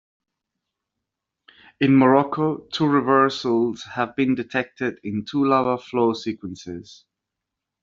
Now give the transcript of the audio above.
In Morocco, two reversal have been detected in two lava flow sequences.